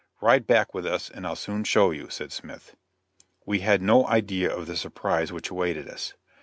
"Ride back with us and I'll soon show you," said Smith. We had no idea of the surprise which awaited us.